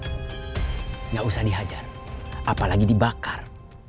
tidak usah dihajar apalagi dibakar